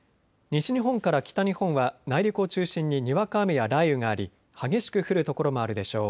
西日本から北日本は内陸を中心ににわか雨や雷雨があり激しく降る所もあるでしょう。